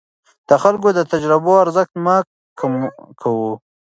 د خلکو د تجربو ارزښت مه کم کوه.